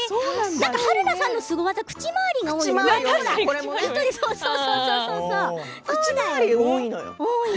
春菜さんのすご技口回りが多いね。